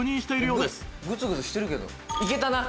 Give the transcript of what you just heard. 「グツグツしてるけどいけたな」